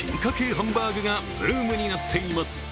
ハンバーグがブームになっています。